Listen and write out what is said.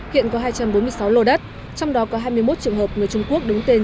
hiện có hai trăm bốn mươi sáu lô đất trong đó có hai mươi một trường hợp người trung quốc đứng tên